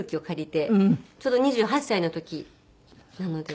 ちょうど２８歳の時なので。